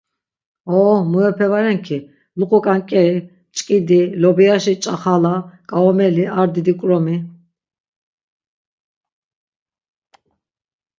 Ooo muepe va ren ki, luqu k̆ank̆eri, mč̣k̆idi, lobiyaşi ç̆axala k̆aumeli, ar didi k̆romi…